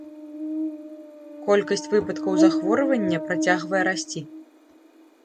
Колькасць выпадкаў захворвання працягвае расці.